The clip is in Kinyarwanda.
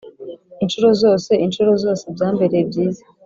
inshuro zose inshuro zosebyambereye byiza